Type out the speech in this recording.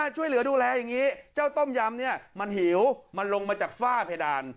ช่วยเหลือดูแลอย่างนี้เจ้าต้มยำเนี่ยมันหิวมันลงมาจากฝ้าเพดาน